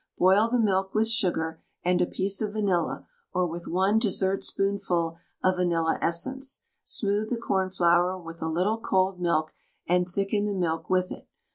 Boil the milk with sugar and a piece of vanilla or with 1 dessertspoonful of vanilla essence. Smooth the cornflour with a little cold milk, and thicken the milk with it.